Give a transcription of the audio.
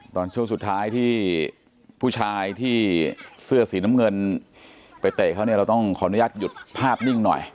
ตอนช่วงสุดท้ายที่ผู้ชายที่เสื้อสีน้ำเงินไปเตะเขาเนี่ยเราต้องขออนุญาตหยุดภาพนิ่งหน่อย